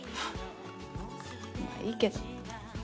まぁいいけど。